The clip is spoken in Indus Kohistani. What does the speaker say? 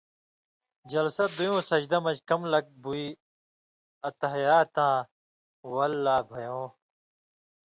جلسہ (دُوئیں سجدیوں مَن٘ژ کَم لَک بُوئی التَّحِیَّاتاں ول لا بھَہ یٶں